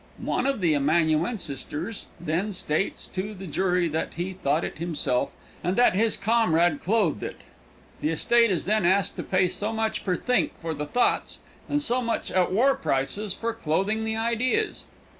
One of the amanuensisters then states to the jury that he thought it himself, and that his comrade clothed it. The estate is then asked to pay so much per think for the thoughts and so much at war prices for clothing the ideas.